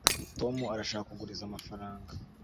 tom arashaka kuguriza amafaranga